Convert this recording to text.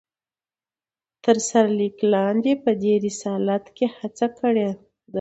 تر سر ليک لاندي په دي رساله کې هڅه کړي ده